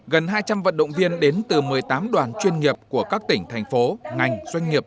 gần hai trăm linh vận động viên đến từ một mươi tám đoàn chuyên nghiệp của các tỉnh thành phố ngành doanh nghiệp